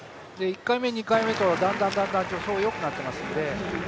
１回目、２回目とだんだん助走がよくなっていますので。